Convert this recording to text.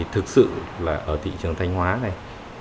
thực sự là ở thị trường thanh hóa này